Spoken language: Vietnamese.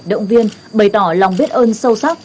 động viên bày tỏ lòng biết ơn sâu sắc